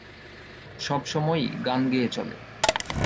সব সময়ই গান গেয়ে চলে।